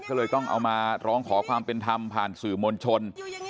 ก็เลยต้องเอามาร้องขอความเป็นธรรมผ่านสื่อมวลชน